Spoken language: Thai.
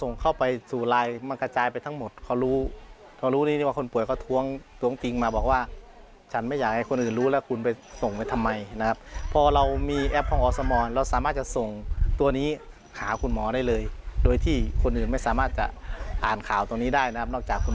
นอกจากคุณหมอที่จะดูในเซฟเวอร์ของรพสตตั้งแต่นะครับ